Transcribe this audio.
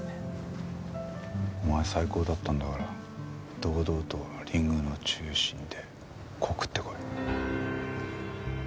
お前最高だったんだから堂々とリングの中心で告ってこい。